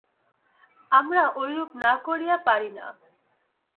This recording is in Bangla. আমরা ঐরূপ না করিয়া পারি না।